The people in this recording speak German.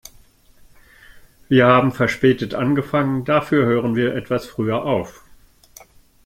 Wir haben verspätet angefangen, dafür hören wir etwas früher auf.